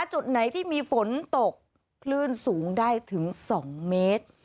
จุดไหนที่มีฝนตกคลื่นสูงได้ถึง๒เมตร